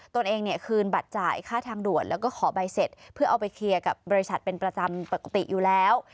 ตัวเองเนี่ยคืนบัตรจ่ายค่าทางด่วนแล้วก็ขอใบเสร็จเพื่อเอาไปเคลียร์กับบริษัทเป็นประจำปกติอยู่แล้ว